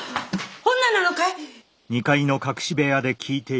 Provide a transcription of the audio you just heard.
女なのかい？